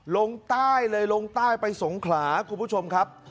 ลงใต้เลยลงใต้ไปสงขลาคุณผู้ชมครับ